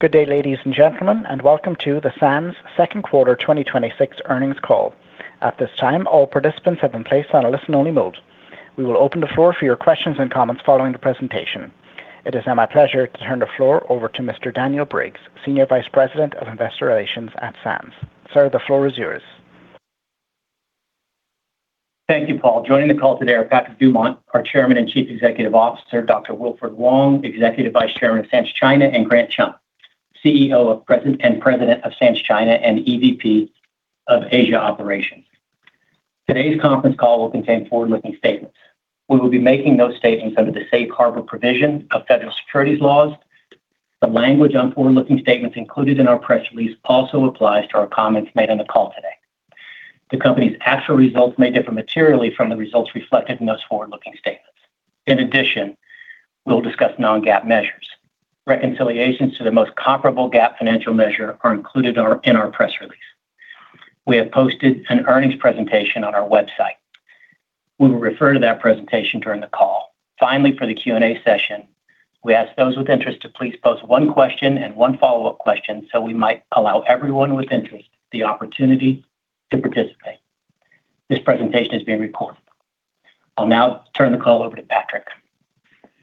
Good day, ladies and gentlemen, and welcome to the Sands' second quarter 2026 earnings call. At this time, all participants have been placed on a listen only mode. We will open the floor for your questions and comments following the presentation. It is now my pleasure to turn the floor over to Mr. Daniel Briggs, Senior Vice President of Investor Relations at Sands. Sir, the floor is yours. Thank you, Paul. Joining the call today are Patrick Dumont, our Chairman and Chief Executive Officer; Dr. Wilfred Wong, Executive Vice Chairman of Sands China; and Grant Chum, CEO and President of Sands China and EVP of Asia Operations. Today's conference call will contain forward-looking statements. We will be making those statements under the safe harbor provision of federal securities laws. The language on forward-looking statements included in our press release also applies to our comments made on the call today. The company's actual results may differ materially from the results reflected in such forward-looking statement. In addition, we'll discuss non-GAAP measures. Reconciliations to the most comparable GAAP financial measure are included in our press release. We have posted an earnings presentation on our website. We will refer to that presentation during the call. Finally, for the Q&A session, we ask those with interest to please pose one question and one follow-up question so we might allow everyone with interest the opportunity to participate. This presentation is being recorded. I'll now turn the call over to Patrick.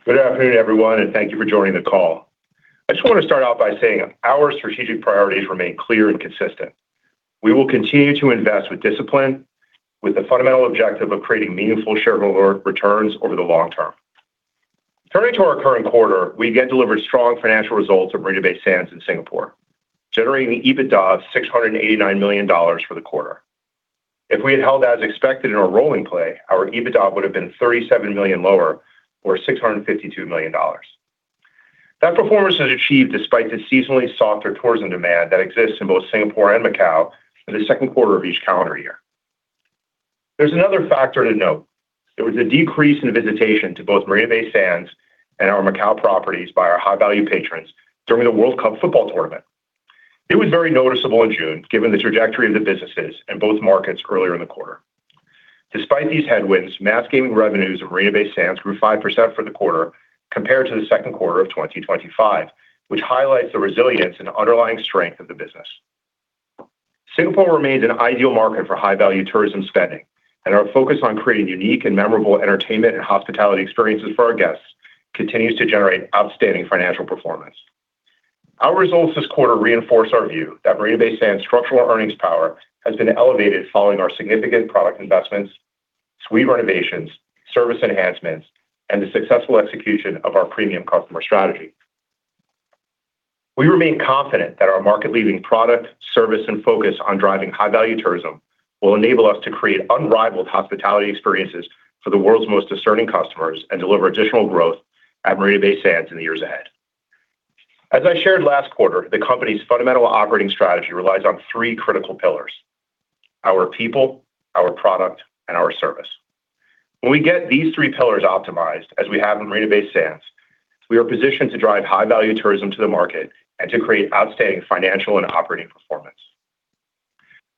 Good afternoon, everyone. Thank you for joining the call. I just want to start off by saying our strategic priorities remain clear and consistent. We will continue to invest with discipline with the fundamental objective of creating meaningful shareholder returns over the long term. Turning to our current quarter, we again delivered strong financial results at Marina Bay Sands in Singapore, generating EBITDA of $689 million for the quarter. If we had held as expected in our rolling play, our EBITDA would've been $37 million lower, or $652 million. That performance was achieved despite the seasonally softer tourism demand that exists in both Singapore and Macao in the second quarter of each calendar year. There's another factor to note. There was a decrease in visitation to both Marina Bay Sands and our Macao properties by our high-value patrons during the World Cup football tournament. It was very noticeable in June, given the trajectory of the businesses in both markets earlier in the quarter. Despite these headwinds, mass gaming revenues of Marina Bay Sands grew 5% for the quarter compared to the second quarter of 2025, which highlights the resilience and underlying strength of the business. Singapore remains an ideal market for high-value tourism spending, and our focus on creating unique and memorable entertainment and hospitality experiences for our guests continues to generate outstanding financial performance. Our results this quarter reinforce our view that Marina Bay Sands' structural earnings power has been elevated following our significant product investments, suite renovations, service enhancements, and the successful execution of our premium customer strategy. We remain confident that our market-leading product, service, and focus on driving high-value tourism will enable us to create unrivaled hospitality experiences for the world's most discerning customers and deliver additional growth at Marina Bay Sands in the years ahead. As I shared last quarter, the company's fundamental operating strategy relies on three critical pillars: our people, our product, and our service. When we get these three pillars optimized, as we have in Marina Bay Sands, we are positioned to drive high-value tourism to the market and to create outstanding financial and operating performance.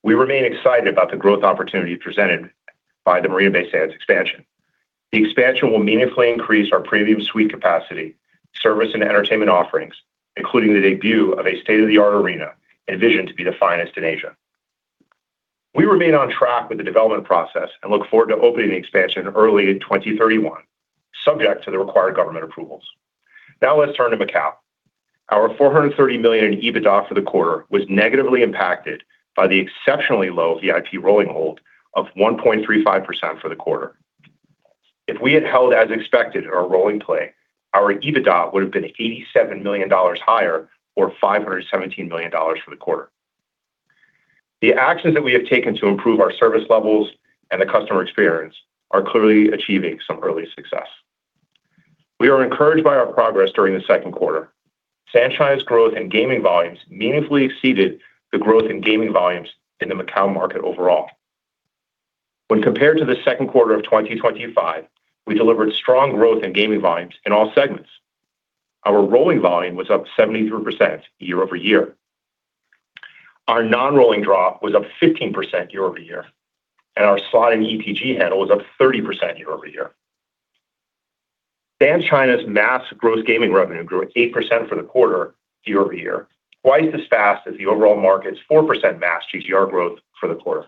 We remain excited about the growth opportunity presented by the Marina Bay Sands Expansion. The expansion will meaningfully increase our premium suite capacity, service, and entertainment offerings, including the debut of a state-of-the-art arena envisioned to be the finest in Asia. We remain on track with the development process and look forward to opening the expansion early in 2031, subject to the required government approvals. Now let's turn to Macao. Our $430 million in EBITDA for the quarter was negatively impacted by the exceptionally low VIP rolling hold of 1.35% for the quarter. If we had held as expected in our rolling play, our EBITDA would've been $87 million higher, or $517 million for the quarter. The actions that we have taken to improve our service levels and the customer experience are clearly achieving some early success. We are encouraged by our progress during the second quarter. Sands China's growth in gaming volumes meaningfully exceeded the growth in gaming volumes in the Macao market overall. When compared to the second quarter of 2025, we delivered strong growth in gaming volumes in all segments. Our rolling volume was up 73% year-over-year. Our non-rolling drop was up 15% year-over-year, and our slot and EPG handle was up 30% year-over-year. Sands China's mass gross gaming revenue grew 8% for the quarter year-over-year, twice as fast as the overall market's 4% mass GGR growth for the quarter.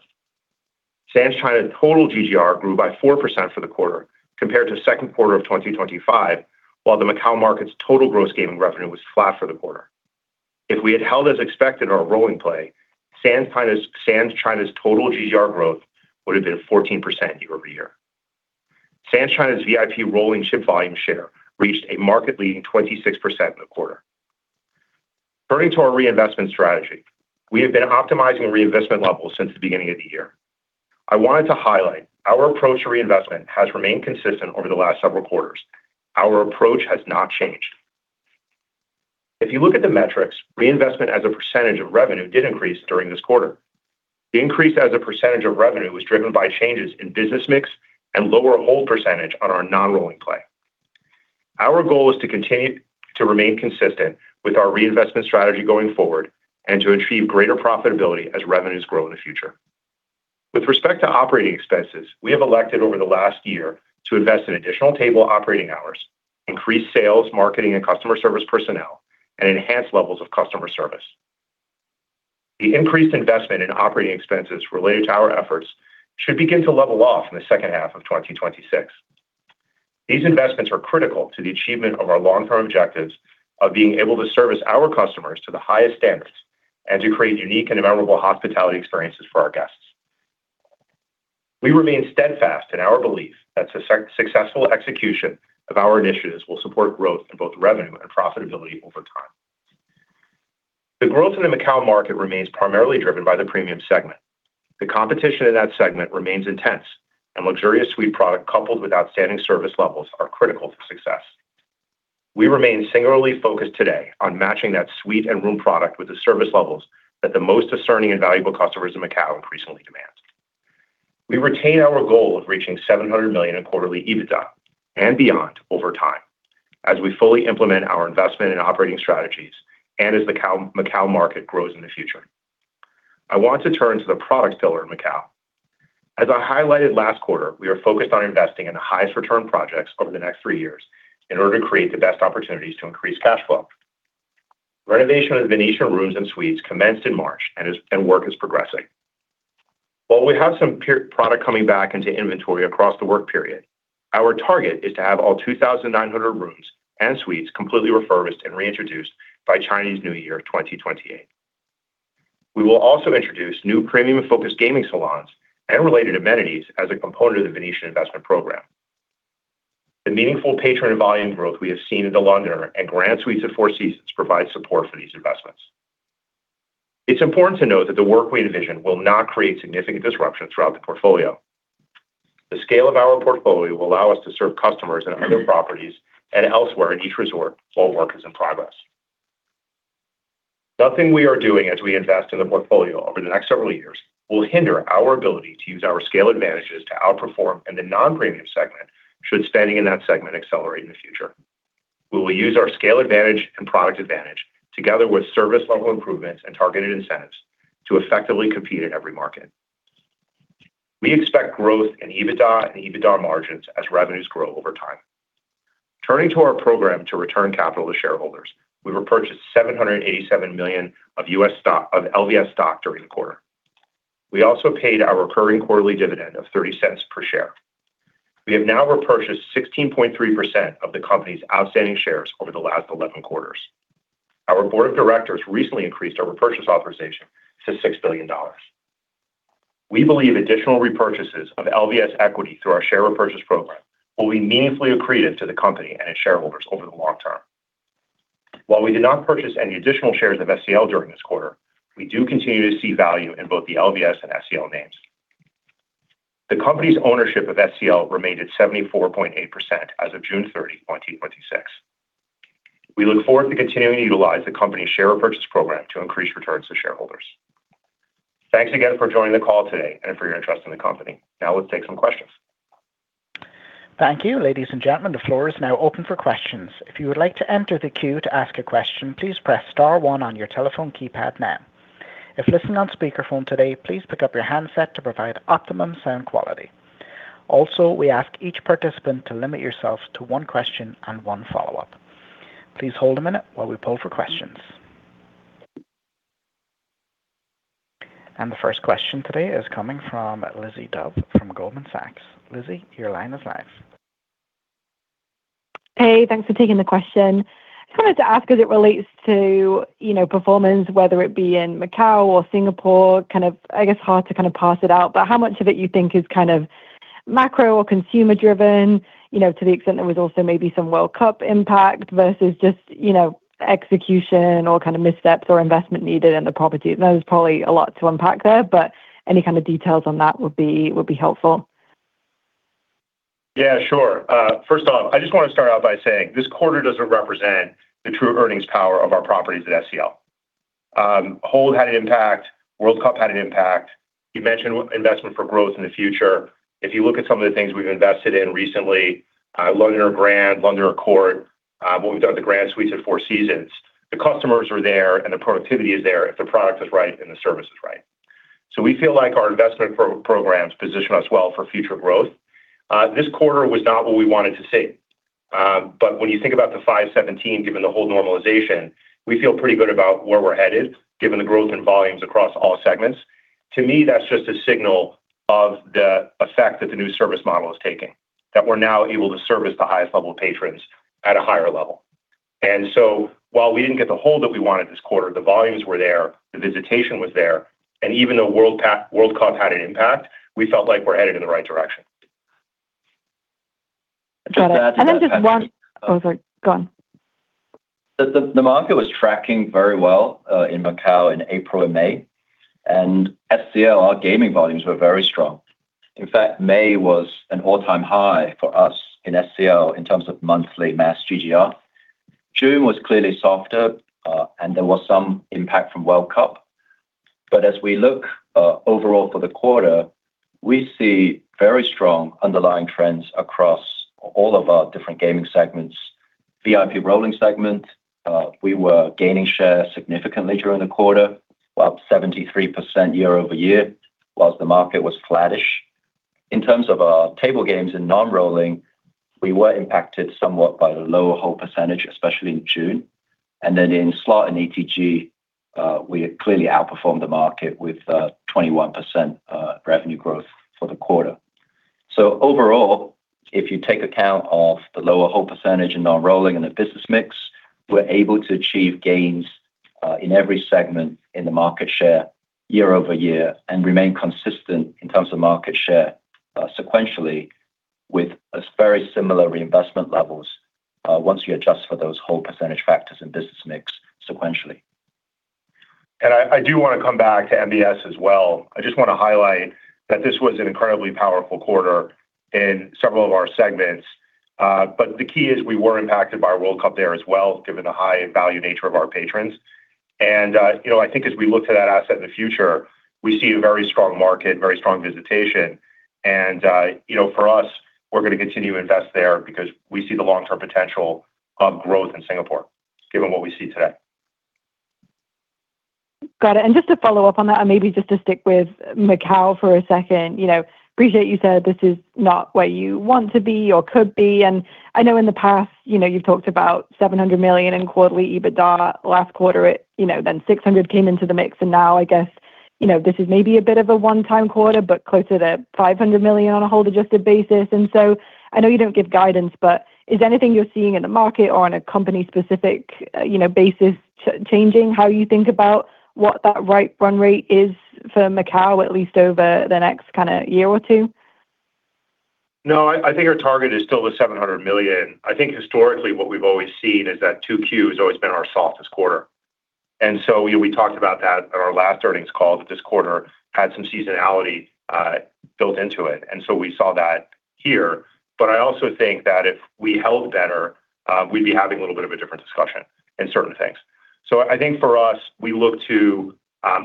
Sands China's total GGR grew by 4% for the quarter compared to the second quarter of 2025, while the Macao market's total gross gaming revenue was flat for the quarter. If we had held as expected in our rolling play, Sands China's total GGR growth would've been 14% year-over-year. Sands China's VIP rolling chip volume share reached a market-leading 26% in the quarter. Turning to our reinvestment strategy, we have been optimizing reinvestment levels since the beginning of the year. I wanted to highlight our approach to reinvestment has remained consistent over the last several quarters. Our approach has not changed. If you look at the metrics, reinvestment as a percentage of revenue did increase during this quarter. The increase as a percentage of revenue was driven by changes in business mix and lower hold percentage on our non-rolling play. Our goal is to remain consistent with our reinvestment strategy going forward and to achieve greater profitability as revenues grow in the future. With respect to operating expenses, we have elected over the last year to invest in additional table operating hours, increase sales, marketing, and customer service personnel, and enhance levels of customer service. The increased investment in operating expenses related to our efforts should begin to level off in the second half of 2026. These investments are critical to the achievement of our long-term objectives of being able to service our customers to the highest standards and to create unique and memorable hospitality experiences for our guests. We remain steadfast in our belief that successful execution of our initiatives will support growth in both revenue and profitability over time. The growth in the Macao market remains primarily driven by the premium segment. The competition in that segment remains intense, and luxurious suite product coupled with outstanding service levels are critical to success. We remain singularly focused today on matching that suite and room product with the service levels that the most discerning and valuable customers in Macao increasingly demand. We retain our goal of reaching $700 million in quarterly EBITDA and beyond over time, as we fully implement our investment in operating strategies and as the Macao market grows in the future. I want to turn to the product pillar in Macao. As I highlighted last quarter, we are focused on investing in the highest return projects over the next three years in order to create the best opportunities to increase cash flow. Renovation of Venetian rooms and suites commenced in March and work is progressing. While we have some product coming back into inventory across the work period, our target is to have all 2,900 rooms and suites completely refurbished and reintroduced by Chinese New Year 2028. We will also introduce new premium-focused gaming salons and related amenities as a component of the Venetian investment program. The meaningful patron volume growth we have seen at The Londoner and Grand Suites at Four Seasons provide support for these investments. It's important to note that the work we envision will not create significant disruption throughout the portfolio. The scale of our portfolio will allow us to serve customers in other properties and elsewhere in each resort while work is in progress. Nothing we are doing as we invest in the portfolio over the next several years will hinder our ability to use our scale advantages to outperform in the non-premium segment, should spending in that segment accelerate in the future. We will use our scale advantage and product advantage together with service level improvements and targeted incentives to effectively compete in every market. We expect growth in EBITDA and EBITDA margins as revenues grow over time. Turning to our program to return capital to shareholders, we repurchased $787 million of LVS stock during the quarter. We also paid our recurring quarterly dividend of $0.30 per share. We have now repurchased 16.3% of the company's outstanding shares over the last 11 quarters. Our board of directors recently increased our repurchase authorization to $6 billion. We believe additional repurchases of LVS equity through our share repurchase program will be meaningfully accretive to the company and its shareholders over the long term. While we did not purchase any additional shares of SCL during this quarter, we do continue to see value in both the LVS and SCL names. The company's ownership of SCL remained at 74.8% as of June 30, 2026. We look forward to continuing to utilize the company's share repurchase program to increase returns to shareholders. Thanks again for joining the call today and for your interest in the company. Now let's take some questions. Thank you. Ladies and gentlemen, the floor is now open for questions. If you would like to enter the queue to ask a question, please press star one on your telephone keypad now. If listening on speakerphone today, please pick up your handset to provide optimum sound quality. Also, we ask each participant to limit yourself to one question and one follow-up. Please hold a minute while we poll for questions. The first question today is coming from Lizzie Dove from Goldman Sachs. Lizzie, your line is live. Hey, thanks for taking the question. Just wanted to ask as it relates to performance, whether it be in Macao or Singapore, I guess hard to kind of parse it out, but how much of it you think is macro or consumer driven, to the extent there was also maybe some World Cup impact versus just execution or kind of missteps or investment needed in the property? I know there's probably a lot to unpack there, but any kind of details on that would be helpful. Yeah, sure. First off, I just want to start out by saying this quarter doesn't represent the true earnings power of our properties at SCL. Hold had an impact. World Cup had an impact. You mentioned investment for growth in the future. If you look at some of the things we've invested in recently, Londoner Grand, Londoner Court, what we've done at The Grand Suites at Four Seasons, the customers are there and the productivity is there if the product is right and the service is right. We feel like our investment programs position us well for future growth. This quarter was not what we wanted to see. When you think about the 517, given the whole normalization, we feel pretty good about where we're headed, given the growth in volumes across all segments. To me, that's just a signal of the effect that the new service model is taking, that we're now able to service the highest level patrons at a higher level. While we didn't get the hold that we wanted this quarter, the volumes were there, the visitation was there, and even though World Cup had an impact, we felt like we're headed in the right direction. Got it. Oh, sorry. Go on. The market was tracking very well, in Macao in April and May. SCL, our gaming volumes were very strong. In fact, May was an all-time high for us in SCL in terms of monthly mass GGR. June was clearly softer, and there was some impact from World Cup. As we look overall for the quarter, we see very strong underlying trends across all of our different gaming segments VIP rolling segment, we were gaining share significantly during the quarter, up 73% year-over-year, whilst the market was flattish. In terms of our table games and non-rolling, we were impacted somewhat by the lower hold percentage, especially in June. Then in slot and ETG, we clearly outperformed the market with 21% revenue growth for the quarter. Overall, if you take account of the lower hold percentage in non-rolling and the business mix, we're able to achieve gains in every segment in the market share year-over-year and remain consistent in terms of market share sequentially with very similar reinvestment levels once you adjust for those hold percentage factors and business mix sequentially. I do want to come back to MBS as well. I just want to highlight that this was an incredibly powerful quarter in several of our segments. The key is we were impacted by World Cup there as well, given the high-value nature of our patrons. I think as we look to that asset in the future, we see a very strong market, very strong visitation, and for us, we're going to continue to invest there because we see the long-term potential of growth in Singapore given what we see today. Got it. Just to follow up on that, and maybe just to stick with Macao for a second. Appreciate you said this is not where you want to be or could be. I know in the past you've talked about $700 million in quarterly EBITDA. Last quarter, then $600 came into the mix, now I guess this is maybe a bit of a one-time quarter, but closer to $500 million on a hold-adjusted basis. I know you don't give guidance, but is anything you're seeing in the market or on a company-specific basis changing how you think about what that right run rate is for Macao, at least over the next year or two? No, I think our target is still the $700 million. I think historically what we've always seen is that Q2 has always been our softest quarter. We talked about that on our last earnings call, that this quarter had some seasonality built into it, we saw that here. I also think that if we held better, we'd be having a little bit of a different discussion in certain things. I think for us, we look to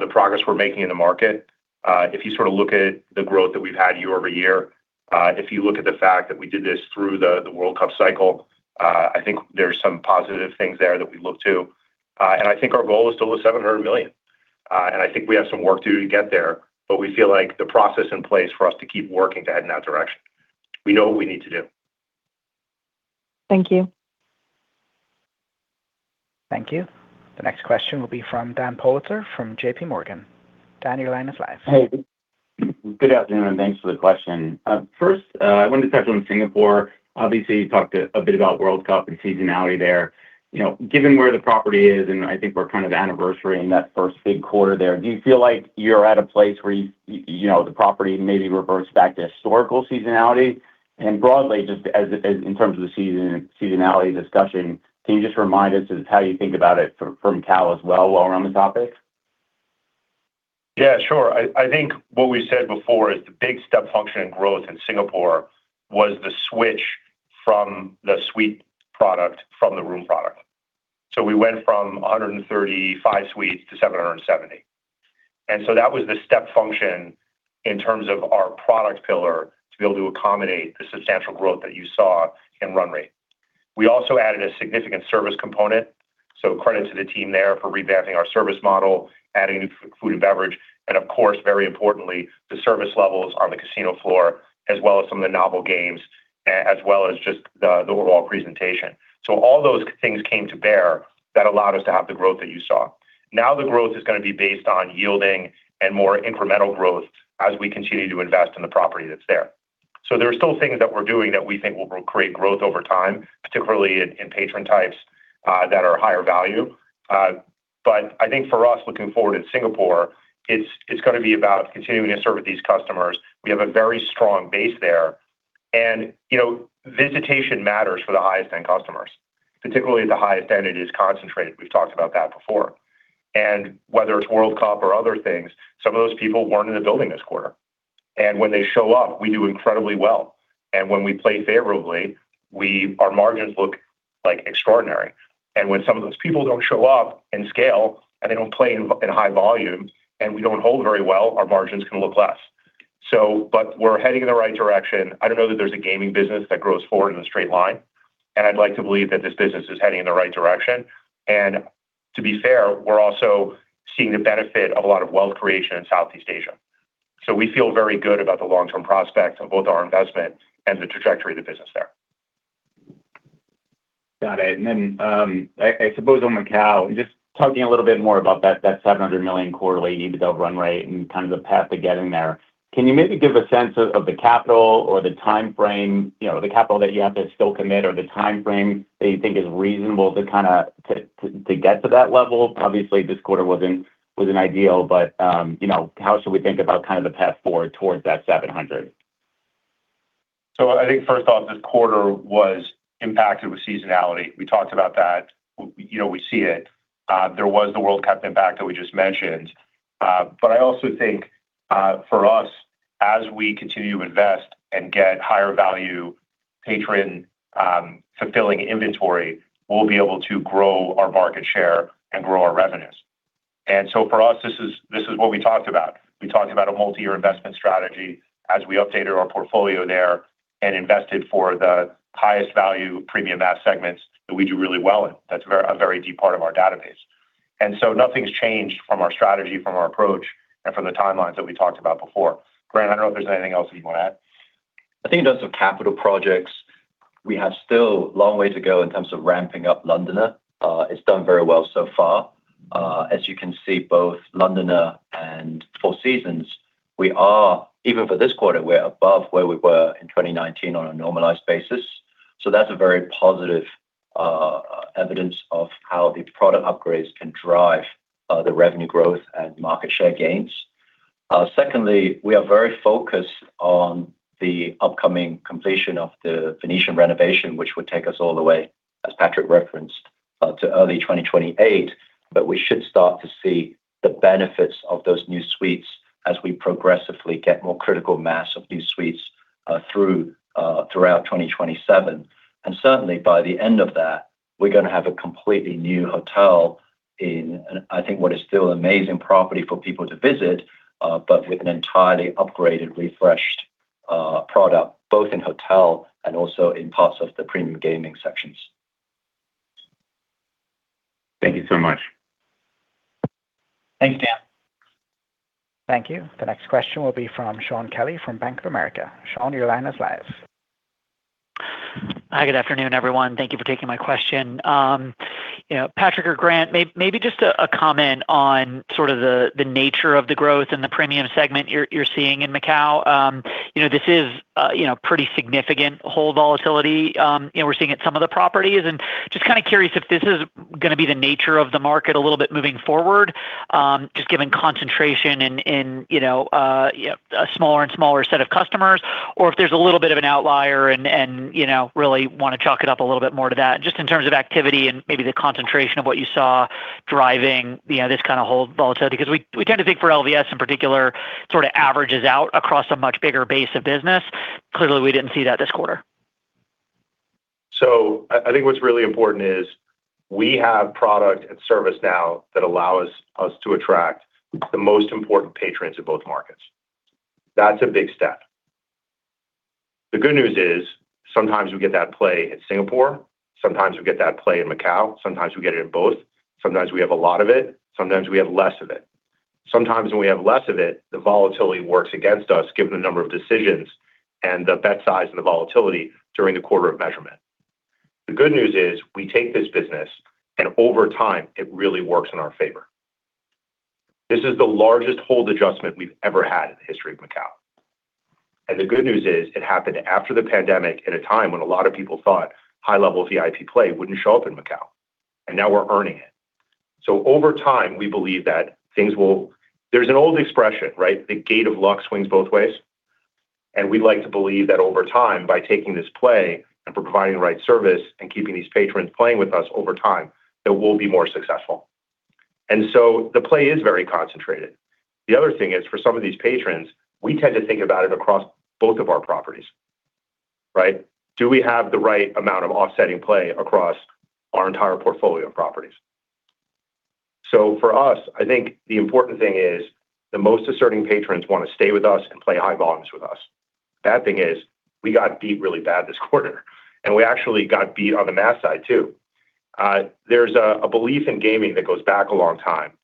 the progress we're making in the market. If you look at the growth that we've had year-over-year, if you look at the fact that we did this through the World Cup cycle, I think there's some positive things there that we look to. I think our goal is still the $700 million, I think we have some work to do to get there. We feel like the process in place for us to keep working to head in that direction. We know what we need to do. Thank you. Thank you. The next question will be from Dan Politzer from JPMorgan. Dan, your line is live. Hey. Good afternoon, and thanks for the question. First, I wanted to touch on Singapore. Obviously, you talked a bit about World Cup and seasonality there. Given where the property is, and I think we're kind of anniversary-ing that first big quarter there, do you feel like you're at a place where the property maybe reverts back to historical seasonality? Broadly, just in terms of the seasonality discussion, can you just remind us how you think about it from Macao as well while we're on the topic? Yeah, sure. I think what we said before is the big step function growth in Singapore was the switch from the suite product from the room product. We went from 135 suites to 770. That was the step function in terms of our product pillar to be able to accommodate the substantial growth that you saw in run rate. We also added a significant service component. Credit to the team there for revamping our service model, adding food and beverage, and of course, very importantly, the service levels on the casino floor, as well as some of the novel games, as well as just the overall presentation. All those things came to bear that allowed us to have the growth that you saw. The growth is going to be based on yielding and more incremental growth as we continue to invest in the property that's there. There are still things that we're doing that we think will create growth over time, particularly in patron types that are higher value. I think for us, looking forward in Singapore, it's going to be about continuing to serve these customers. We have a very strong base there. Visitation matters for the highest-end customers, particularly at the highest end, it is concentrated. We've talked about that before. Whether it's World Cup or other things, some of those people weren't in the building this quarter. When they show up, we do incredibly well. When we play favorably, our margins look extraordinary. When some of those people don't show up in scale, they don't play in high volume, and we don't hold very well, our margins can look less. We're heading in the right direction. I don't know that there's a gaming business that grows forward in a straight line, and I'd like to believe that this business is heading in the right direction. To be fair, we're also seeing the benefit of a lot of wealth creation in Southeast Asia. We feel very good about the long-term prospects of both our investment and the trajectory of the business there. Got it. I suppose on Macao, just talking a little bit more about that $700 million quarterly EBITDA run rate and the path to getting there. Can you maybe give a sense of the capital or the time frame, the capital that you have to still commit or the time frame that you think is reasonable to get to that level? Obviously, this quarter wasn't ideal, but how should we think about the path forward towards that $700? I think first off, this quarter was impacted with seasonality. We talked about that. We see it. There was the World Cup impact that we just mentioned. I also think, for us, as we continue to invest and get higher value patron-fulfilling inventory, we'll be able to grow our market share and grow our revenues. For us, this is what we talked about. We talked about a multi-year investment strategy as we updated our portfolio there and invested for the highest value premium mass segments that we do really well in. That's a very deep part of our database. Nothing's changed from our strategy, from our approach, and from the timelines that we talked about before. Grant, I don't know if there's anything else that you want to add. I think in terms of capital projects, we have still a long way to go in terms of ramping up Londoner. It's done very well so far. As you can see, both Londoner and Four Seasons, even for this quarter, we're above where we were in 2019 on a normalized basis. That's a very positive evidence of how the product upgrades can drive the revenue growth and market share gains. Secondly, we are very focused on the upcoming completion of the Venetian renovation, which would take us all the way, as Patrick referenced, to early 2028. We should start to see the benefits of those new suites as we progressively get more critical mass of new suites throughout 2027. Certainly, by the end of that, we're going to have a completely new hotel in, I think, what is still an amazing property for people to visit, but with an entirely upgraded, refreshed product, both in hotel and also in parts of the premium gaming sections. Thank you so much. Thanks, Dan. Thank you. The next question will be from Shaun Kelley from Bank of America. Shaun, your line is live. Hi, good afternoon, everyone. Thank you for taking my question. Patrick or Grant, maybe just a comment on sort of the nature of the growth in the premium segment you're seeing in Macao. This is pretty significant hold volatility, and we're seeing it in some of the properties. Just kind of curious if this is going to be the nature of the market a little bit moving forward, just given concentration in a smaller and smaller set of customers, or if there's a little bit of an outlier and really want to chalk it up a little bit more to that, just in terms of activity and maybe the concentration of what you saw driving this kind of hold volatility. We tend to think for LVS in particular, sort of averages out across a much bigger base of business. Clearly, we didn't see that this quarter. I think what's really important is we have product and service now that allows us to attract the most important patrons in both markets. That's a big step. The good news is sometimes we get that play in Singapore, sometimes we get that play in Macao, sometimes we get it in both. Sometimes we have a lot of it, sometimes we have less of it. Sometimes when we have less of it, the volatility works against us, given the number of decisions and the bet size and the volatility during the quarter of measurement. The good news is we take this business, and over time, it really works in our favor. This is the largest hold adjustment we've ever had in the history of Macao. The good news is it happened after the pandemic at a time when a lot of people thought high-level VIP play wouldn't show up in Macao, and now we're earning it. Over time, we believe that things will. There's an old expression, right? The gate of luck swings both ways. We'd like to believe that over time, by taking this play and providing the right service and keeping these patrons playing with us over time, that we'll be more successful. The play is very concentrated. The other thing is, for some of these patrons, we tend to think about it across both of our properties. Right? Do we have the right amount of offsetting play across our entire portfolio of properties? For us, I think the important thing is the most asserting patrons want to stay with us and play high volumes with us. Bad thing is we got beat really bad this quarter, and we actually got beat on the mass side, too. There's a belief in gaming that goes back a long time,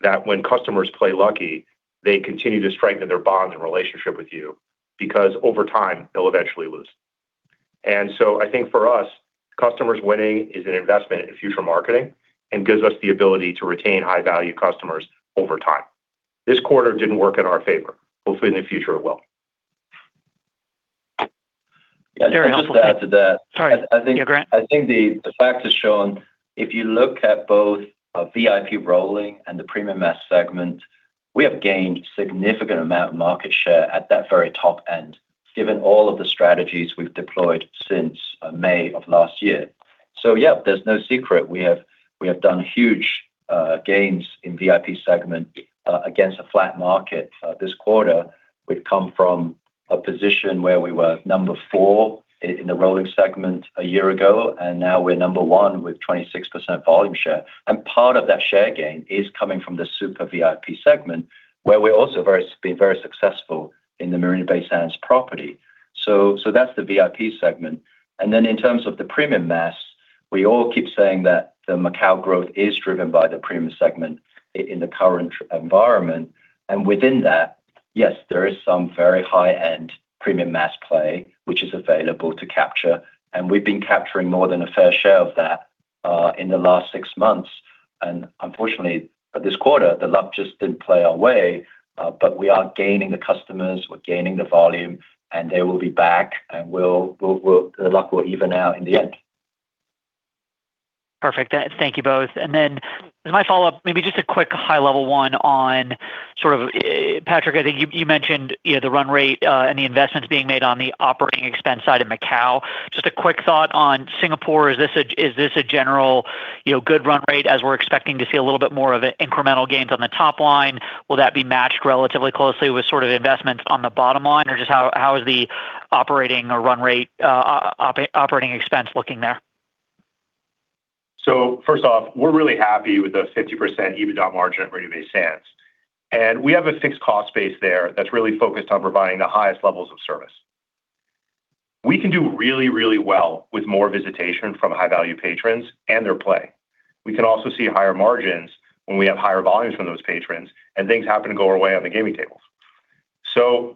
that when customers play lucky, they continue to strengthen their bond and relationship with you, because over time, they'll eventually lose. So I think for us, customers winning is an investment in future marketing and gives us the ability to retain high-value customers over time. This quarter didn't work in our favor. Hopefully, in the future, it will. Very helpful. Just to add to that. Sorry. Yeah, Grant. I think the facts have shown, if you look at both VIP rolling and the premium mass segment, we have gained significant amount of market share at that very top end, given all of the strategies we've deployed since May of last year. There is no secret, we have done huge gains in VIP segment against a flat market. This quarter, we've come from a position where we were number four in the rolling segment a year ago, and now we're number one with 26% volume share. Part of that share gain is coming from the super VIP segment, where we're also very successful in the Marina Bay Sands property. That is the VIP segment. In terms of the premium mass, we all keep saying that the Macao growth is driven by the premium segment in the current environment. Within that, yes, there is some very high-end premium mass play which is available to capture, and we've been capturing more than a fair share of that in the last six months. Unfortunately, this quarter, the luck just didn't play our way. We are gaining the customers, we're gaining the volume, and they will be back, and the luck will even out in the end. Perfect. Thank you both. As my follow-up, maybe just a quick high-level one on, Patrick, I think you mentioned the run rate and the investments being made on the operating expense side of Macao. Just a quick thought on Singapore. Is this a general good run rate as we're expecting to see a little bit more of incremental gains on the top line? Will that be matched relatively closely with sort of investments on the bottom line? Just how is the operating or run rate operating expense looking there? First off, we're really happy with the 50% EBITDA margin at Marina Bay Sands, and we have a fixed cost base there that's really focused on providing the highest levels of service. We can do really, really well with more visitation from high-value patrons and their play. We can also see higher margins when we have higher volumes from those patrons and things happen to go our way on the gaming tables.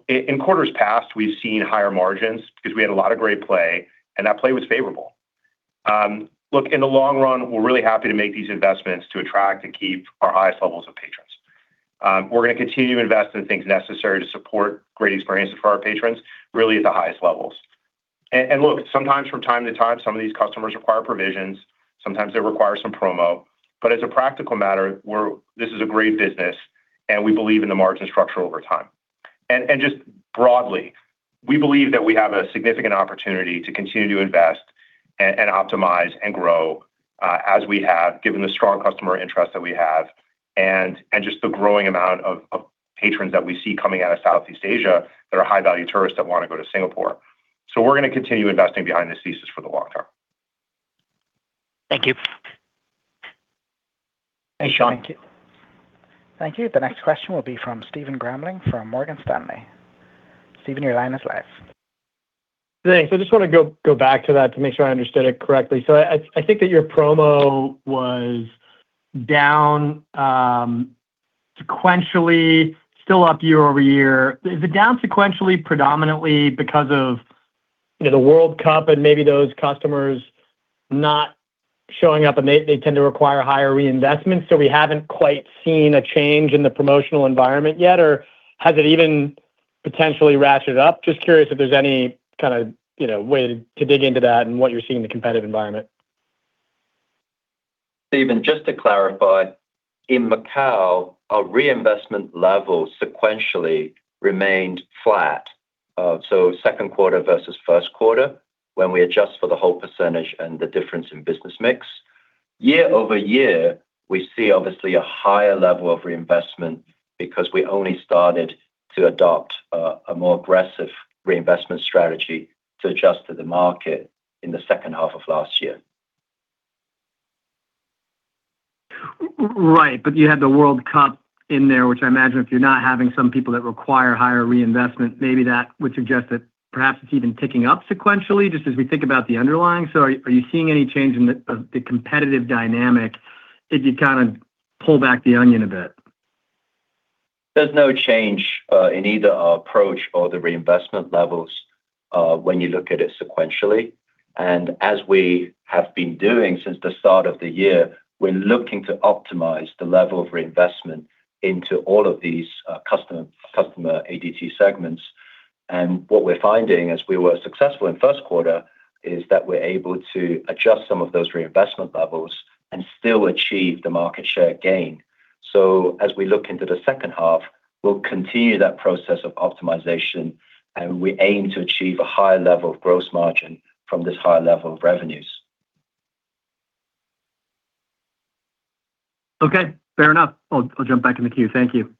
In quarters past, we've seen higher margins because we had a lot of great play, and that play was favorable. Look, in the long run, we're really happy to make these investments to attract and keep our highest levels of patrons. We're going to continue to invest in things necessary to support great experiences for our patrons, really at the highest levels. Look, sometimes from time to time, some of these customers require provisions, sometimes they require some promo. As a practical matter, this is a great business and we believe in the margin structure over time. Just broadly, we believe that we have a significant opportunity to continue to invest and optimize and grow as we have, given the strong customer interest that we have and just the growing amount of patrons that we see coming out of Southeast Asia that are high-value tourists that want to go to Singapore. We're going to continue investing behind this thesis for the long term. Thank you. Thanks, Shaun. Thank you. Thank you. The next question will be from Stephen Grambling from Morgan Stanley. Stephen, your line is live. Thanks. I just want to go back to that to make sure I understood it correctly. I think that your promo was down sequentially, still up year-over-year. Is it down sequentially predominantly because of the World Cup and maybe those customers not showing up and they tend to require higher reinvestment, so we haven't quite seen a change in the promotional environment yet? Or has it even potentially ratcheted up? Just curious if there's any way to dig into that and what you're seeing in the competitive environment. Stephen, just to clarify, in Macao, our reinvestment level sequentially remained flat. Second quarter versus first quarter, when we adjust for the whole percentage and the difference in business mix. Year-over-year, we see obviously a higher level of reinvestment because we only started to adopt a more aggressive reinvestment strategy to adjust to the market in the second half of last year. Right. You had the World Cup in there, which I imagine if you're not having some people that require higher reinvestment, maybe that would suggest that perhaps it's even ticking up sequentially, just as we think about the underlying. Are you seeing any change in the competitive dynamic if you pull back the onion a bit? There's no change in either our approach or the reinvestment levels when you look at it sequentially. As we have been doing since the start of the year, we're looking to optimize the level of reinvestment into all of these customer ADT segments. What we're finding, as we were successful in first quarter, is that we're able to adjust some of those reinvestment levels and still achieve the market share gain. As we look into the second half, we'll continue that process of optimization, and we aim to achieve a higher level of gross margin from this higher level of revenues. Okay. Fair enough. I'll jump back in the queue. Thank you.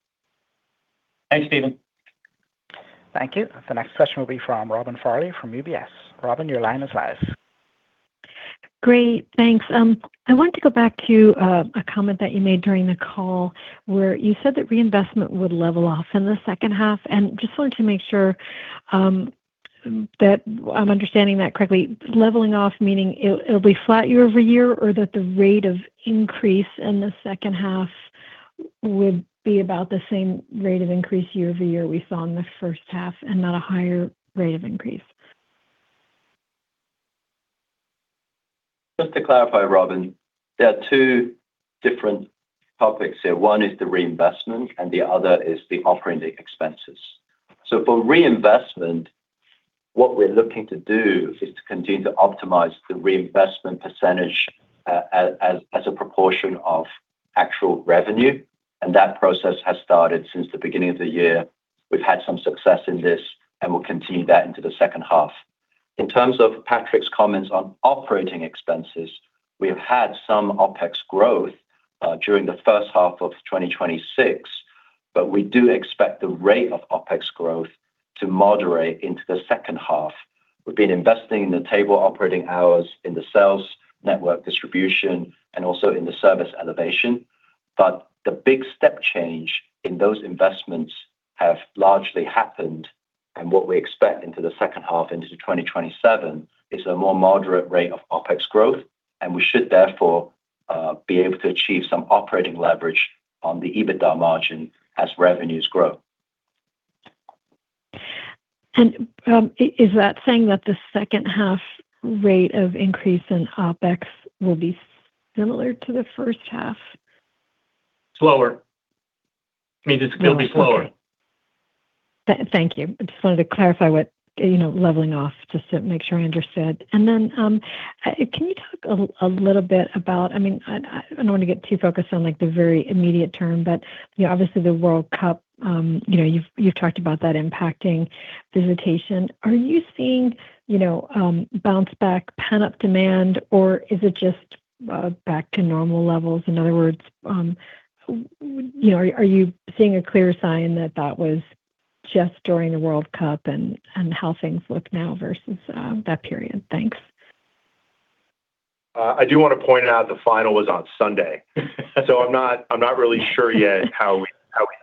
Thanks, Stephen. Thank you. The next question will be from Robin Farley from UBS. Robin, your line is live. Great. Thanks. I wanted to go back to a comment that you made during the call where you said that reinvestment would level off in the second half, and just wanted to make sure that I'm understanding that correctly. Leveling off meaning it will be flat year-over-year, or that the rate of increase in the second half would be about the same rate of increase year-over-year we saw in the first half and not a higher rate of increase? Just to clarify, Robin, there are two different topics here. One is the reinvestment and the other is the operating expenses. For reinvestment, what we are looking to do is to continue to optimize the reinvestment percentage as a proportion of actual revenue, and that process has started since the beginning of the year. We have had some success in this, and we will continue that into the second half. In terms of Patrick's comments on operating expenses, we have had some OpEx growth during the first half of 2026, but we do expect the rate of OpEx growth to moderate into the second half. We have been investing in the table operating hours, in the sales, network distribution, and also in the service elevation. The big step change in those investments have largely happened, and what we expect into the second half into 2027 is a more moderate rate of OpEx growth, and we should therefore be able to achieve some operating leverage on the EBITDA margin as revenues grow. Is that saying that the second half rate of increase in OpEx will be similar to the first half? Slower. Means it's going to be slower. Thank you. I just wanted to clarify what leveling off, just to make sure I understood. Then, can you talk a little bit about, I don't want to get too focused on the very immediate term, but obviously the World Cup, you've talked about that impacting visitation. Are you seeing bounce back, pent-up demand, or is it just back to normal levels? In other words, are you seeing a clear sign that that was Just during the World Cup and how things look now versus that period. Thanks. I do want to point out the final was on Sunday. I'm not really sure yet how we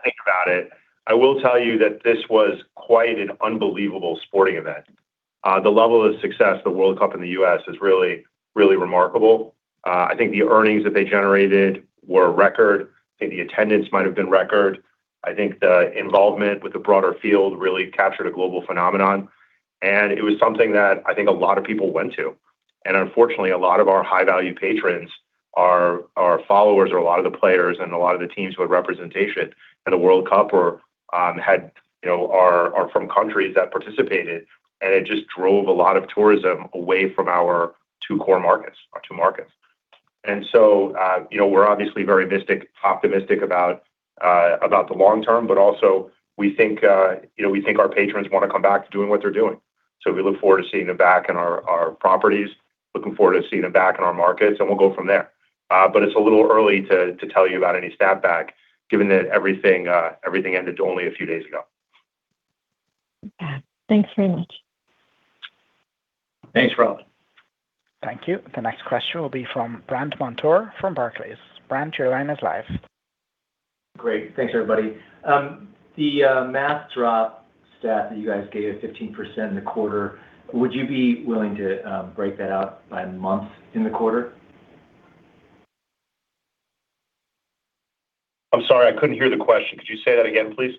think about it. I will tell you that this was quite an unbelievable sporting event. The level of success of the World Cup in the U.S. is really remarkable. I think the earnings that they generated were a record. I think the attendance might have been record. I think the involvement with the broader field really captured a global phenomenon, and it was something that I think a lot of people went to. Unfortunately, a lot of our high-value patrons are followers or a lot of the players and a lot of the teams who had representation in the World Cup are from countries that participated, it just drove a lot of tourism away from our two core markets, our two markets. We're obviously very optimistic about the long term, but also we think our patrons want to come back to doing what they're doing. We look forward to seeing them back in our properties, looking forward to seeing them back in our markets, we'll go from there. It's a little early to tell you about any snapback, given that everything ended only a few days ago. Yeah. Thanks very much. Thanks, Robin. Thank you. The next question will be from Brandt Montour from Barclays. Brandt, your line is live. Great. Thanks, everybody. The mass drop stat that you guys gave, 15% in the quarter, would you be willing to break that out by month in the quarter? I'm sorry, I couldn't hear the question. Could you say that again, please?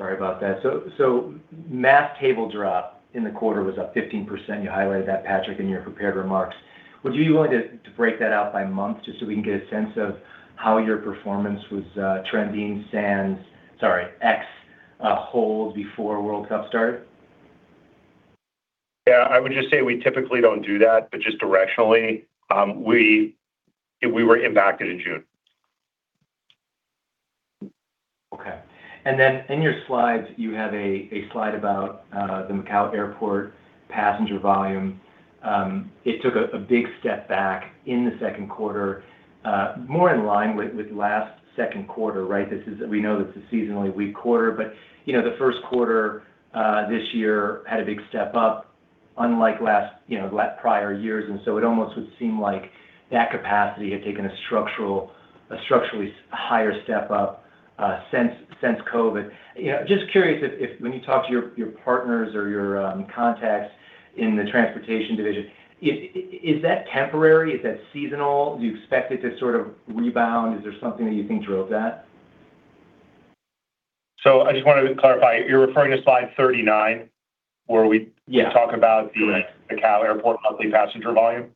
Sorry about that. Mass table drop in the quarter was up 15%. You highlighted that, Patrick, in your prepared remarks. Would you be willing to break that out by month just so we can get a sense of how your performance was trending ex-hold before World Cup start? Yeah, I would just say we typically don't do that, but just directionally, we were impacted in June. Okay. In your slides, you have a slide about the Macao airport passenger volume. It took a big step back in the second quarter, more in line with last second quarter, right? We know this is a seasonally weak quarter, but the first quarter this year had a big step up, unlike prior years. It almost would seem like that capacity had taken a structurally higher step up since COVID. Just curious, when you talk to your partners or your contacts in the transportation division, is that temporary? Is that seasonal? Do you expect it to sort of rebound? Is there something that you think drove that? I just want to clarify, you're referring to slide 39 where talk about the Macao Airport monthly passenger volume?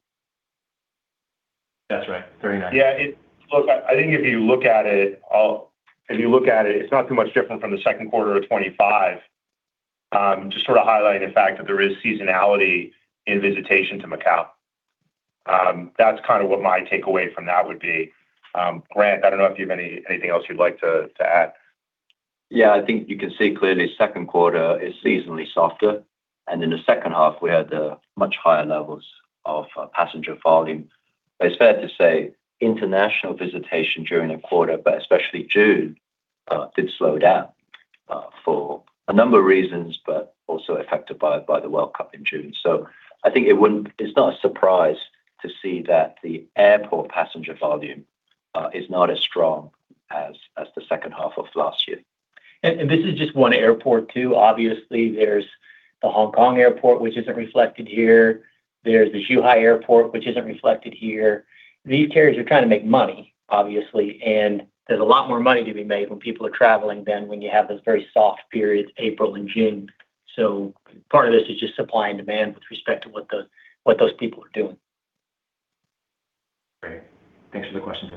That's right, 39. Yeah. Look, I think if you look at it's not too much different from the second quarter of 2025. Just to sort of highlight the fact that there is seasonality in visitation to Macao. That's kind of what my takeaway from that would be. Grant, I don't know if you have anything else you'd like to add. I think you can see clearly second quarter is seasonally softer, and in the second half, we had much higher levels of passenger volume. It's fair to say international visitation during the quarter, but especially June, did slow down for a number of reasons, but also affected by the World Cup in June. I think it's not a surprise to see that the airport passenger volume is not as strong as the second half of last year. This is just one airport too. Obviously, there's the Hong Kong airport, which isn't reflected here. There's the Zhuhai Airport, which isn't reflected here. These carriers are trying to make money, obviously, and there's a lot more money to be made when people are traveling than when you have those very soft periods, April and June. Part of this is just supply and demand with respect to what those people are doing. Great. Thanks for taking the question.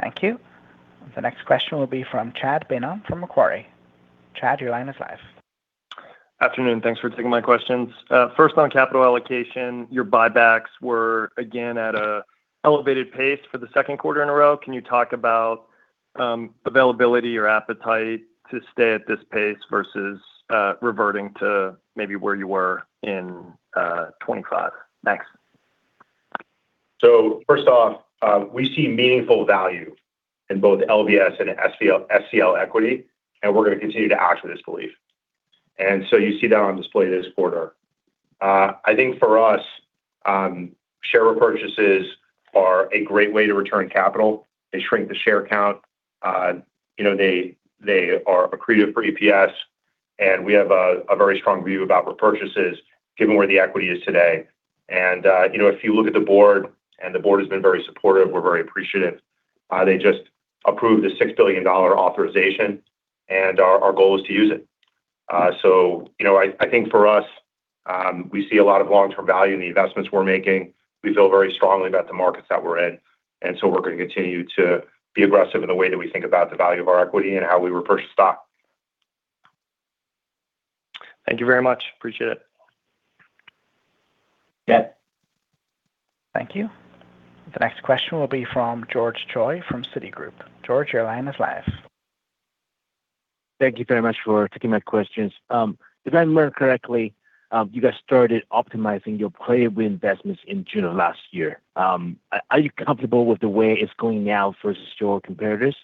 Thank you. The next question will be from Chad Beynon from Macquarie. Chad, your line is live. Afternoon. Thanks for taking my questions. First, on capital allocation, your buybacks were again at an elevated pace for the second quarter in a row. Can you talk about availability or appetite to stay at this pace versus reverting to maybe where you were in 2025? Thanks. First off, we see meaningful value in both LVS and SCL equity, we're going to continue to act with this belief. You see that on display this quarter. I think for us, share repurchases are a great way to return capital. They shrink the share count. They are accretive for EPS, we have a very strong view about repurchases given where the equity is today. If you look at the board, the board has been very supportive. We're very appreciative. They just approved a $6 billion authorization, our goal is to use it. I think for us, we see a lot of long-term value in the investments we're making. We feel very strongly about the markets that we're in, we're going to continue to be aggressive in the way that we think about the value of our equity and how we repurchase stock. Thank you very much. Appreciate it. Yeah. Thank you. The next question will be from George Choi from Citigroup. George, your line is live Thank you very much for taking my questions. If I remember correctly, you guys started optimizing your player win investments in June of last year. Are you comfortable with the way it's going now versus your competitors?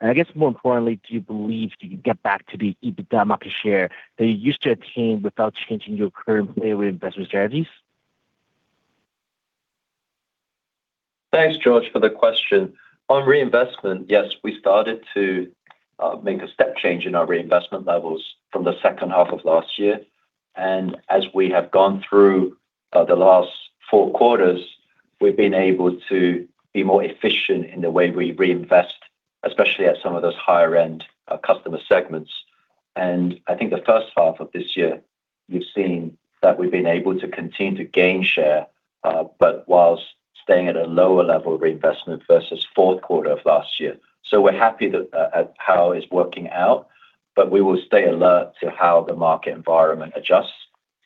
I guess more importantly, do you believe that you can get back to the EBITDA market share that you used to attain without changing your current play win investment strategies? Thanks, George, for the question. On reinvestment, yes, we started to make a step change in our reinvestment levels from the second half of last year. As we have gone through the last four quarters, we've been able to be more efficient in the way we reinvest, especially at some of those higher-end customer segments. I think the first half of this year, we've seen that we've been able to continue to gain share, but whilst staying at a lower level of reinvestment versus fourth quarter of last year. We're happy at how it's working out, but we will stay alert to how the market environment adjusts,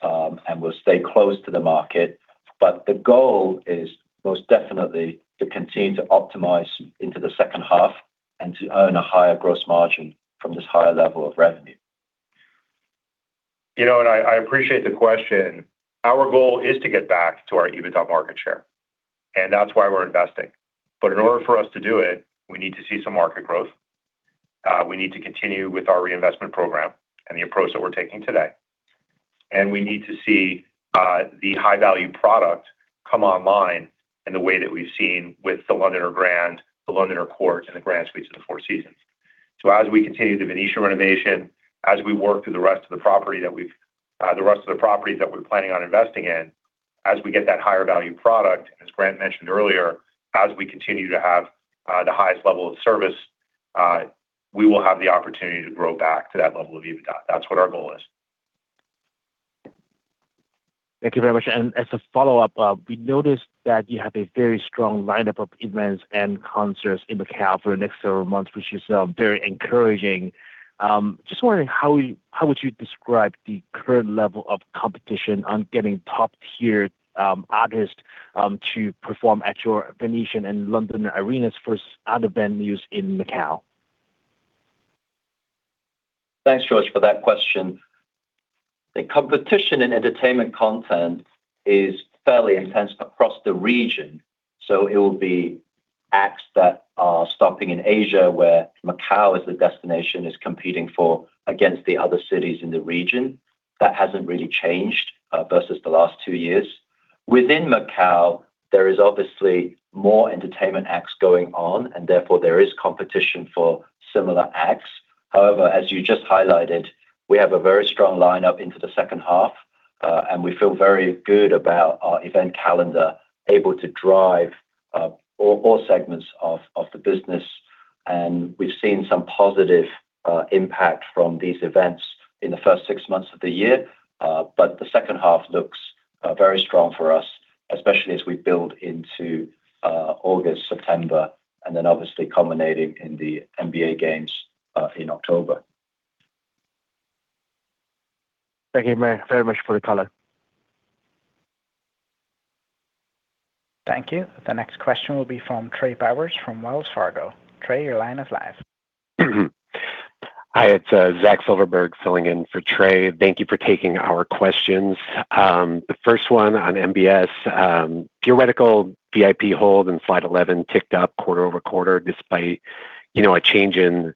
and we'll stay close to the market. The goal is most definitely to continue to optimize into the second half and to earn a higher gross margin from this higher level of revenue. You know what, I appreciate the question. Our goal is to get back to our EBITDA market share, and that's why we're investing. In order for us to do it, we need to see some market growth. We need to continue with our reinvestment program and the approach that we're taking today. We need to see the high-value product come online in the way that we've seen with the Londoner Grand, the Londoner Court, and the Grand Suites at the Four Seasons. As we continue the Venetian renovation, as we work through the rest of the properties that we're planning on investing in, as we get that higher value product, as Grant mentioned earlier, as we continue to have the highest level of service, we will have the opportunity to grow back to that level of EBITDA. That's what our goal is. Thank you very much. As a follow-up, we noticed that you have a very strong lineup of events and concerts in Macao for the next several months, which is very encouraging. Just wondering, how would you describe the current level of competition on getting top-tier artists to perform at your Venetian and London arenas versus other venues in Macao? Thanks, George, for that question. The competition in entertainment content is fairly intense across the region. It will be acts that are stopping in Asia, where Macao as a destination is competing against the other cities in the region. That hasn't really changed versus the last two years. Within Macao, there is obviously more entertainment acts going on, therefore, there is competition for similar acts. However, as you just highlighted, we have a very strong lineup into the second half. We feel very good about our event calendar, able to drive all segments of the business. We've seen some positive impact from these events in the first six months of the year. The second half looks very strong for us, especially as we build into August, September, obviously culminating in the NBA games, in October. Thank you very much for the color. Thank you. The next question will be from Trey Bowers from Wells Fargo. Trey, your line is live. Hi, it's Zach Silverberg filling in for Trey. Thank you for taking our questions. The first one on MBS. Theoretical VIP hold in slide 11 ticked up quarter-over-quarter despite a change in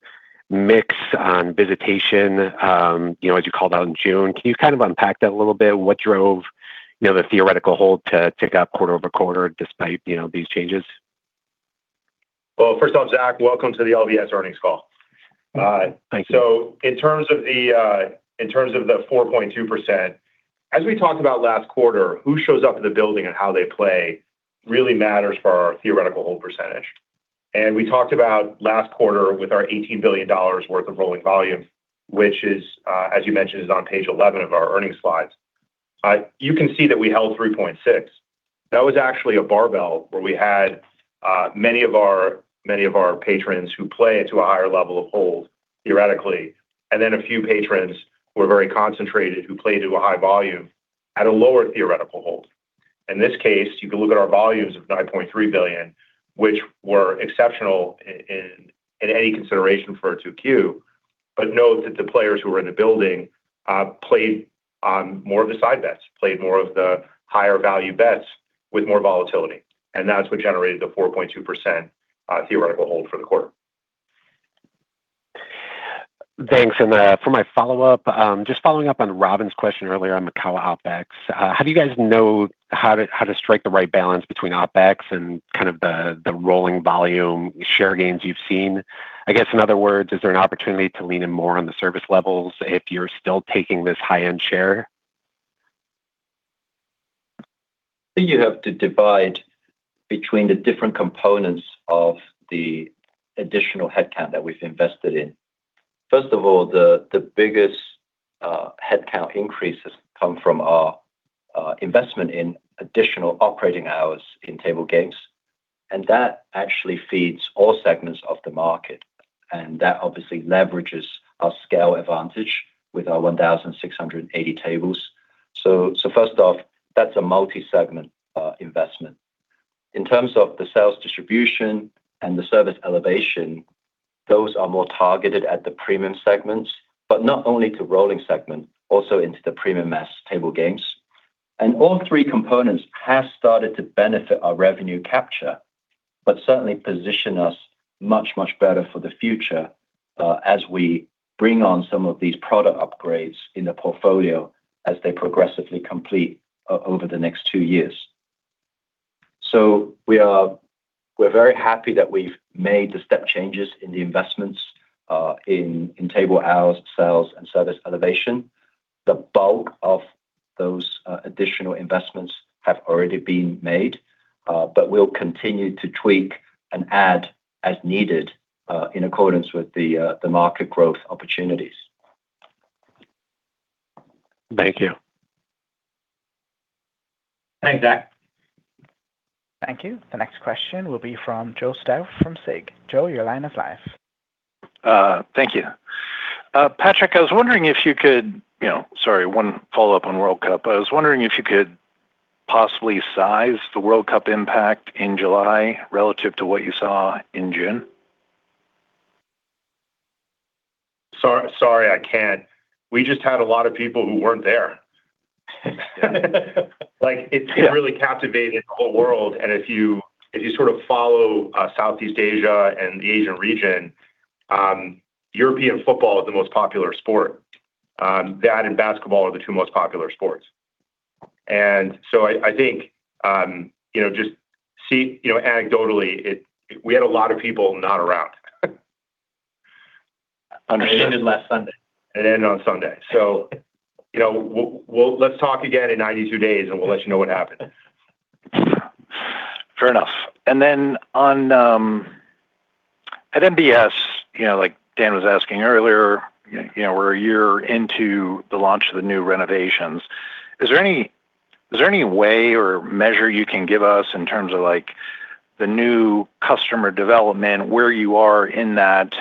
mix on visitation as you called out in June. Can you kind of unpack that a little bit? What drove the theoretical hold to tick up quarter-over-quarter despite these changes? Well, first off, Zach, welcome to the LVS earnings call. Thank you. In terms of the 4.2%, as we talked about last quarter, who shows up in the building and how they play really matters for our theoretical hold percentage. We talked about last quarter with our $18 billion worth of rolling volume, which as you mentioned, is on page 11 of our earnings slides. You can see that we held 3.6%. That was actually a barbell where we had many of our patrons who play to a higher level of hold theoretically, and then a few patrons who were very concentrated, who play to a high volume at a lower theoretical hold. In this case, you can look at our volumes of $9.3 billion, which were exceptional in any consideration for a 2Q, but note that the players who were in the building played on more of the side bets, played more of the higher value bets with more volatility, and that's what generated the 4.2% theoretical hold for the quarter. Thanks. For my follow-up, just following up on Robin's question earlier on Macao OpEx. How do you guys know how to strike the right balance between OpEx and kind of the rolling volume share gains you've seen? I guess, in other words, is there an opportunity to lean in more on the service levels if you're still taking this high-end share? I think you have to divide between the different components of the additional headcount that we've invested in. First of all, the biggest headcount increases come from our investment in additional operating hours in table games. That actually feeds all segments of the market, and that obviously leverages our scale advantage with our 1,680 tables. First off, that's a multi-segment investment. In terms of the sales distribution and the service elevation, those are more targeted at the premium segments, not only to rolling segment, also into the premium mass table games. All three components have started to benefit our revenue capture, certainly position us much, much better for the future as we bring on some of these product upgrades in the portfolio as they progressively complete over the next two years. We're very happy that we've made the step changes in the investments in table hours, sales, and service elevation. The bulk of those additional investments have already been made, we'll continue to tweak and add as needed, in accordance with the market growth opportunities. Thank you. Thanks, Zach. Thank you. The next question will be from Joe Stauff from SIG. Joe, your line is live. Thank you. Patrick. Sorry, one follow-up on World Cup. I was wondering if you could possibly size the World Cup impact in July relative to what you saw in June? Sorry, I can't. We just had a lot of people who weren't there. Yeah. It really captivated the whole world. If you follow Southeast Asia and the Asian region, European football is the most popular sport. That and basketball are the two most popular sports. I think, just anecdotally, we had a lot of people not around. Understood. It ended last Sunday. It ended on Sunday. Let's talk again in 92 days, and we'll let you know what happened. Fair enough. At MBS, like Dan was asking earlier, we're a year into the launch of the new renovations. Is there any way or measure you can give us in terms of the new customer development, where you are in that,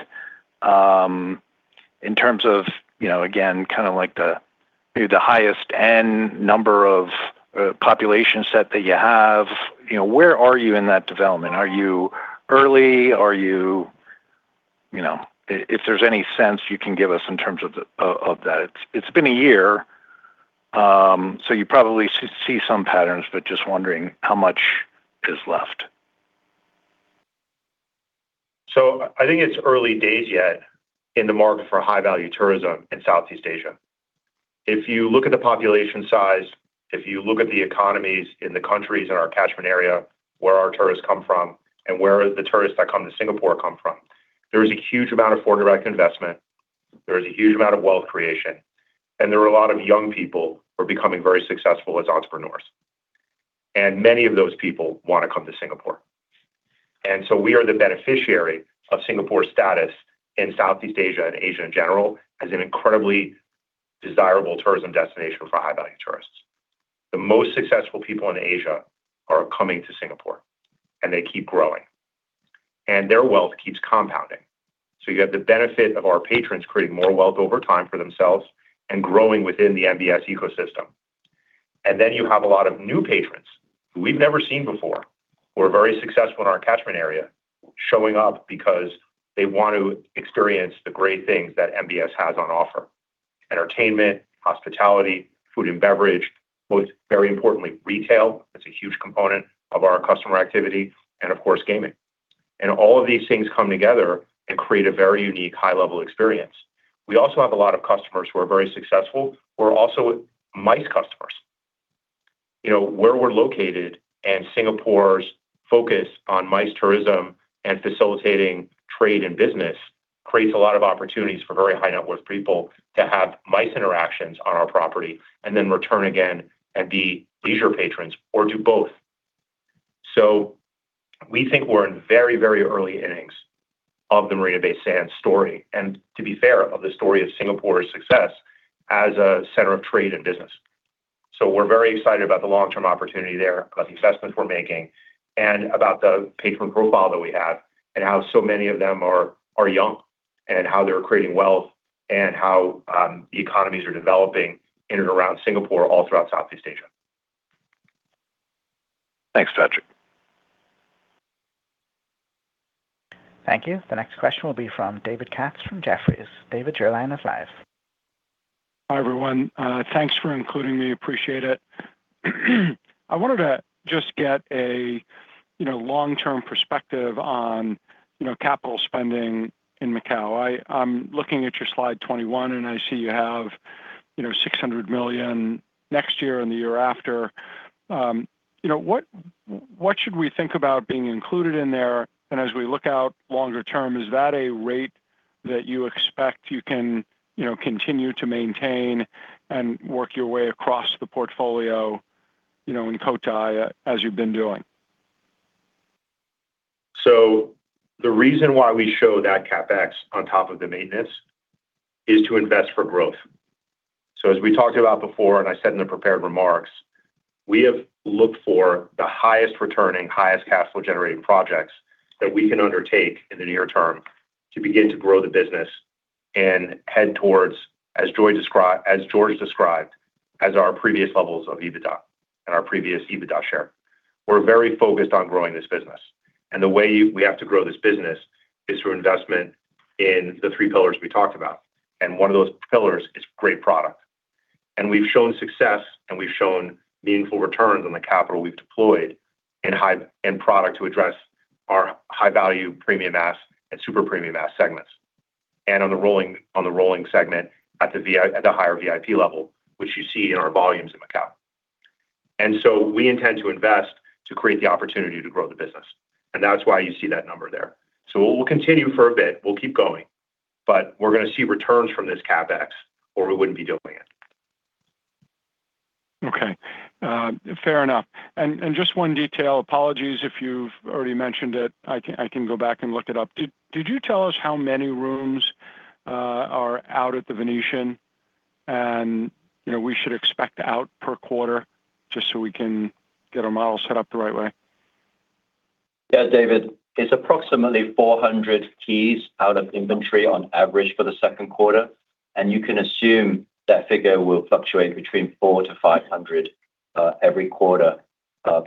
in terms of, again, kind of like the highest end number of population set that you have? Where are you in that development? Are you early? If there's any sense you can give us in terms of that. It's been a year, so you probably see some patterns, but just wondering how much is left. I think it's early days yet in the market for high-value tourism in Southeast Asia. If you look at the population size, if you look at the economies in the countries in our catchment area, where our tourists come from, and where the tourists that come to Singapore come from, there is a huge amount of foreign direct investment, there is a huge amount of wealth creation, and there are a lot of young people who are becoming very successful as entrepreneurs. Many of those people want to come to Singapore. We are the beneficiary of Singapore's status in Southeast Asia and Asia, in general, as an incredibly desirable tourism destination for high-value tourists. The most successful people in Asia are coming to Singapore, and they keep growing. Their wealth keeps compounding. You have the benefit of our patrons creating more wealth over time for themselves and growing within the MBS ecosystem. You have a lot of new patrons who we've never seen before, who are very successful in our catchment area, showing up because they want to experience the great things that MBS has on offer. Entertainment, hospitality, food and beverage, most very importantly, retail. That's a huge component of our customer activity, and of course, gaming. All of these things come together and create a very unique high-level experience. We also have a lot of customers who are very successful, who are also MICE customers. Where we're located and Singapore's focus on MICE tourism and facilitating trade and business creates a lot of opportunities for very high-net-worth people to have MICE interactions on our property and then return again and be leisure patrons or do both. We think we're in very early innings of the Marina Bay Sands story and, to be fair, of the story of Singapore's success as a center of trade and business. We're very excited about the long-term opportunity there, about the investments we're making, and about the patron profile that we have, and how so many of them are young, and how they're creating wealth, and how the economies are developing in and around Singapore, all throughout Southeast Asia. Thanks, Patrick. Thank you. The next question will be from David Katz from Jefferies. David, your line is live. Hi, everyone. Thanks for including me. Appreciate it. I wanted to just get a long-term perspective on capital spending in Macao. I'm looking at your slide 21, and I see you have $600 million next year and the year after. What should we think about being included in there? As we look out longer term, is that a rate that you expect you can continue to maintain and work your way across the portfolio in Cotai as you've been doing? The reason why we show that CapEx on top of the maintenance is to invest for growth. As we talked about before, and I said in the prepared remarks, we have looked for the highest returning, highest cash flow-generating projects that we can undertake in the near term to begin to grow the business. Head towards, as George described, as our previous levels of EBITDA and our previous EBITDA share. We're very focused on growing this business, and the way we have to grow this business is through investment in the three pillars we talked about. One of those pillars is great product. We've shown success, and we've shown meaningful returns on the capital we've deployed in product to address our high-value premium mass and super premium mass segments. On the rolling segment at the higher VIP level, which you see in our volumes in Macao. We intend to invest to create the opportunity to grow the business, and that's why you see that number there. It will continue for a bit. We'll keep going, but we're going to see returns from this CapEx, or we wouldn't be doing it. Okay. Fair enough. Just one detail, apologies if you've already mentioned it. I can go back and look it up. Did you tell us how many rooms are out at The Venetian and we should expect out per quarter just so we can get our model set up the right way? Yeah, David, it's approximately 400 keys out of inventory on average for the second quarter. You can assume that figure will fluctuate between 400-500 every quarter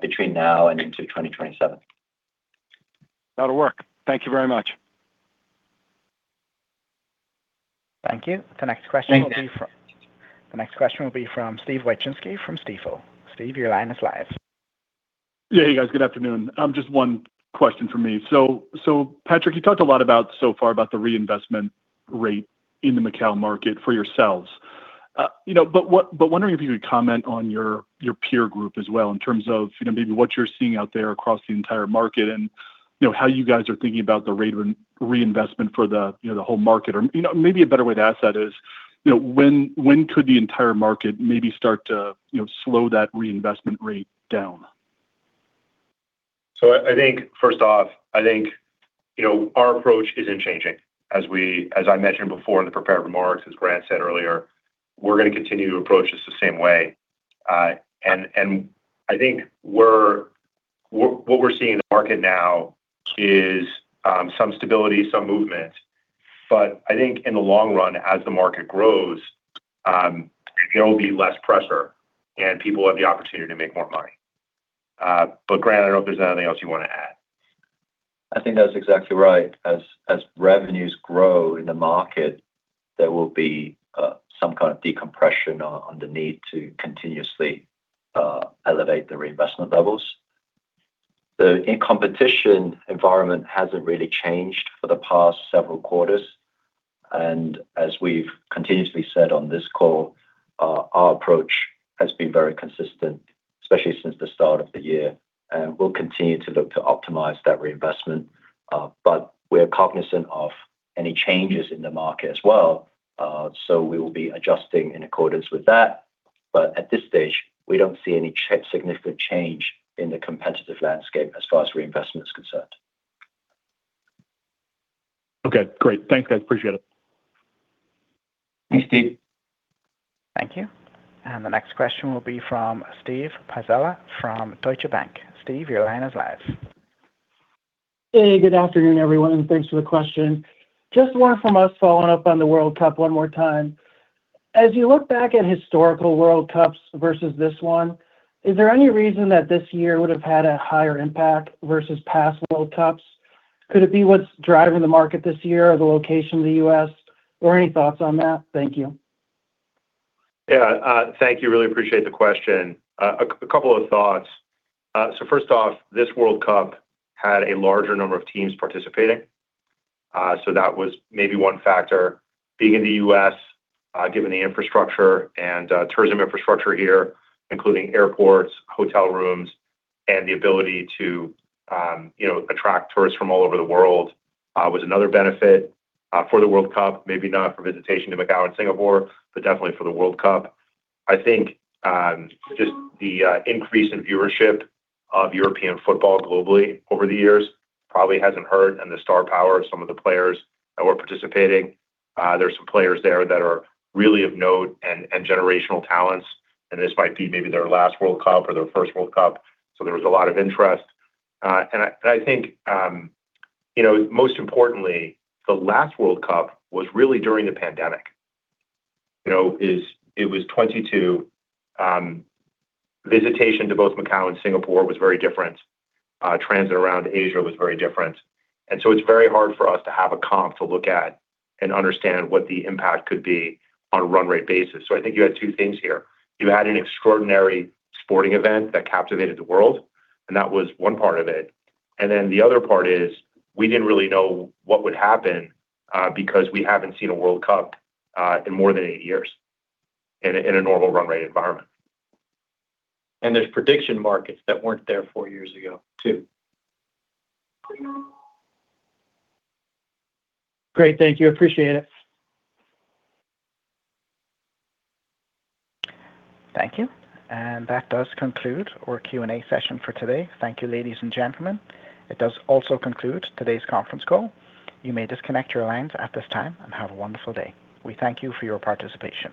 between now and into 2027. That'll work. Thank you very much. Thank you. The next question- Thank you The next question will be from Steve Wieczynski from Stifel. Steve, your line is live. Yeah. Hey, guys. Good afternoon. Just one question from me. Patrick, you talked a lot about, so far, about the reinvestment rate in the Macao market for yourselves. Wondering if you could comment on your peer group as well in terms of maybe what you're seeing out there across the entire market and how you guys are thinking about the rate of reinvestment for the whole market. Maybe a better way to ask that is, when could the entire market maybe start to slow that reinvestment rate down? I think, first off, I think our approach isn't changing. As I mentioned before in the prepared remarks, as Grant said earlier, we're going to continue to approach this the same way. I think what we're seeing in the market now is some stability, some movement, I think in the long run, as the market grows, there will be less pressure and people will have the opportunity to make more money. Grant, I don't know if there's anything else you want to add. I think that's exactly right. As revenues grow in the market, there will be some kind of decompression on the need to continuously elevate the reinvestment levels. The competition environment hasn't really changed for the past several quarters, as we've continuously said on this call, our approach has been very consistent, especially since the start of the year. We'll continue to look to optimize that reinvestment, we're cognizant of any changes in the market as well, we will be adjusting in accordance with that. At this stage, we don't see any significant change in the competitive landscape as far as reinvestment is concerned. Great. Thanks, guys. Appreciate it. Thanks, Steve. Thank you. The next question will be from Steve Pizzella from Deutsche Bank. Steve, your line is live. Hey, good afternoon, everyone, and thanks for the question. Just one from us following up on the World Cup one more time. As you look back at historical World Cups versus this one, is there any reason that this year would've had a higher impact versus past World Cups? Could it be what's driving the market this year or the location of the U.S., or any thoughts on that? Thank you. Yeah. Thank you. Really appreciate the question. A couple of thoughts. First off, this World Cup had a larger number of teams participating, so that was maybe one factor. Being in the U.S., given the infrastructure and tourism infrastructure here, including airports, hotel rooms, and the ability to attract tourists from all over the world, was another benefit for the World Cup, maybe not for visitation to Macao and Singapore, but definitely for the World Cup. I think, just the increase in viewership of European football globally over the years probably hasn't hurt and the star power of some of the players that were participating. There's some players there that are really of note and generational talents, and this might be maybe their last World Cup or their first World Cup, so there was a lot of interest. I think, most importantly, the last World Cup was really during the pandemic. It was 2022. Visitation to both Macao and Singapore was very different. Transit around Asia was very different. It's very hard for us to have a comp to look at and understand what the impact could be on a run rate basis. I think you had two things here. You had an extraordinary sporting event that captivated the world, and that was one part of it. The other part is, we didn't really know what would happen, because we haven't seen a World Cup in more than eight years in a normal run rate environment. There's prediction markets that weren't there four years ago, too. Great. Thank you. Appreciate it. Thank you. That does conclude our Q&A session for today. Thank you, ladies and gentlemen. It does also conclude today's conference call. You may disconnect your lines at this time. Have a wonderful day. We thank you for your participation.